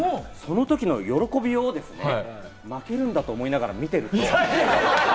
そのときの喜びようを負けるんだと思いながら見てると。